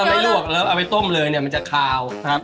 ไม่ลวกแล้วเอาไปต้มเลยเนี่ยมันจะคาวครับ